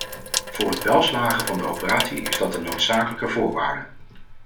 Voor het welslagen van de operatie is dat een noodzakelijke voorwaarde.